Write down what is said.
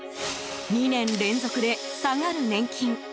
２年連続で下がる年金。